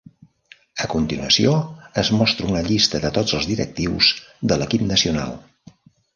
A continuació, es mostra una llista de tots els directius de l'equip nacional.